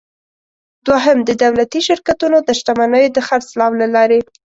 دوهم: د دولتي شرکتونو د شتمنیو د خرڅلاو له لارې.